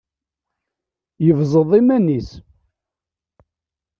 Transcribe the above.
Yebẓeḍ iman-is.